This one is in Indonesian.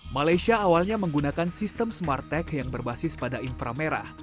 malaysia awalnya menggunakan sistem smart tech yang berbasis pada infra merah